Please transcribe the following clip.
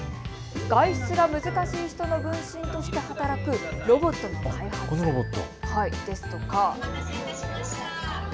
外出が難しい人の分身として働くロボットの開発ですとか。